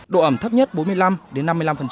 độ ẩm thấp nhất bốn mươi năm đến năm mươi năm